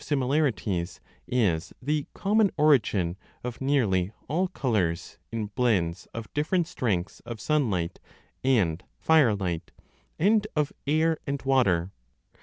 792 b DE COLORIBUS of nearly all colours in blends of different strengths of 25 sunlight and firelight, and of air and water.